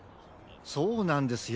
そうなんですよ。